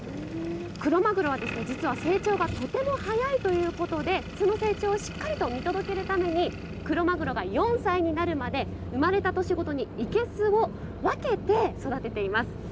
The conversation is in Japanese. クロマグロはですね、実は成長がとても早いということでその成長をしっかりと見届けるためにクロマグロが４歳になるまで生まれた年ごとにいけすを分けて育てています。